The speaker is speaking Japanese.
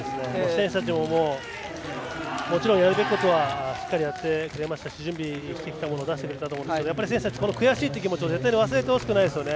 選手たちももちろんやるべきことはしっかりやってくれましたし準備してきたものを出してくれたと思うんですがやっぱり選手たち悔しいという気持ちを絶対に忘れてほしくないですね。